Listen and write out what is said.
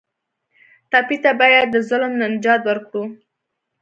ټپي ته باید د ظلم نه نجات ورکړو.